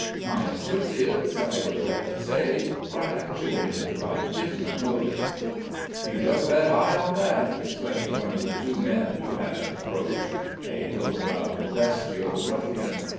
My associates, I regret to say, are actuated by different motives." "You just bet high on that!" exclaimed one of the two men who had approached, a low browed, bestial ruffian.